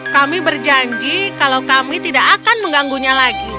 kami berjanji kalau kami tidak akan mengganggunya lagi